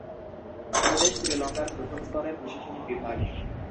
প্রদেশ শ্রীলঙ্কার প্রথম স্তরের প্রশাসনিক বিভাগ।